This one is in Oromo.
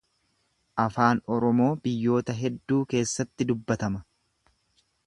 Afaan Oromoo biyyoota hedduu keessatti dubbatama.